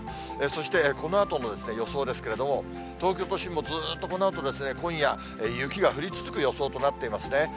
そして、このあとの予想ですけれども、東京都心もずーっとこのあと今夜、雪が降り続く予想となっていますね。